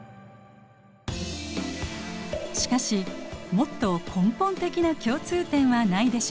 しかしもっと根本的な共通点はないでしょうか？